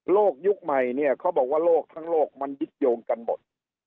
ยุคใหม่เนี่ยเขาบอกว่าโลกทั้งโลกมันยึดโยงกันหมด